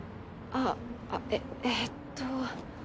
ああえっえっと。